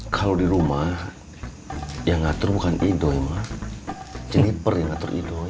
kalau di rumah yang ngatur bukan idoi mak jennifer yang ngatur idoi